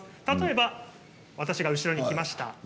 例えば私が後ろに来ました。